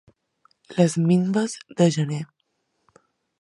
Les minves de gener.